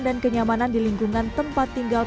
dan kenyamanan di lingkungan tempat tinggal